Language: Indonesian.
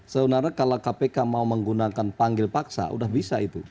sebenarnya kalau kpk mau menggunakan panggil paksa sudah bisa itu